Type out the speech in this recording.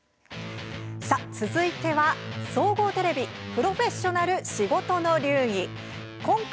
さあ、続いては総合テレビの「プロフェッショナル仕事の流儀」。